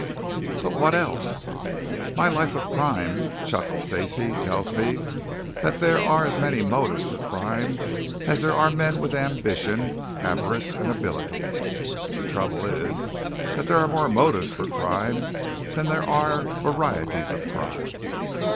"But what else?" "My life of crime," chuckled Stacey, "tells me that there are as many motives for crime as there are men with ambition, avarice, and ability. The trouble is that there are more motives for crime than there are varieties of crime.